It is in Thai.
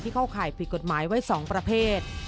เข้าข่ายผิดกฎหมายไว้๒ประเภท